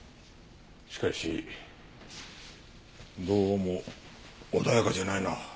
しかしどうも穏やかじゃないな。